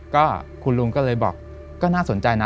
ก็คุณลุงก็เลยบอกก็น่าสนใจนะ